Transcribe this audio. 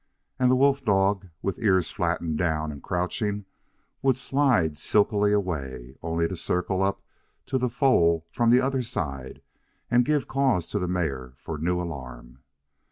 And the wolf dog, with ears flattened down and crouching, would slide silkily away, only to circle up to the foal from the other side and give cause to the mare for new alarm.